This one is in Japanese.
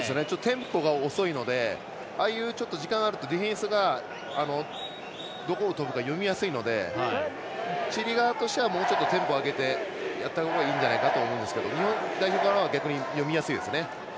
テンポが遅いのでああいう時間があるとディフェンスがどこをとるか読みやすいのでチリ側としては、もう少しテンポを上げたほうがいいんじゃないかと思うんですけど、日本代表からは逆に読みやすいですね。